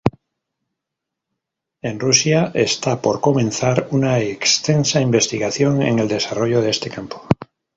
En Rusia, está por comenzar una extensa investigación en el desarrollo de este campo.